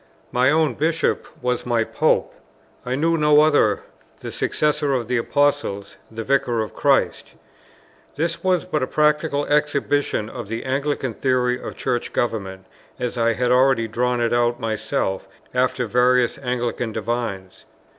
My own Bishop was my Pope; I knew no other; the successor of the Apostles, the Vicar of Christ. This was but a practical exhibition of the Anglican theory of Church Government, as I had already drawn it out myself, after various Anglican Divines.